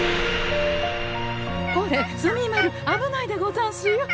これ墨丸危ないでござんすよ。